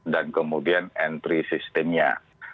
dan kemudian entry sistemnya